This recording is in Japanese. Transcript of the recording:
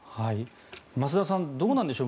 増田さんどうなんでしょう。